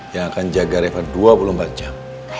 yang akan jaga refat dua puluh empat jam